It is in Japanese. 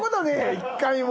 １回も。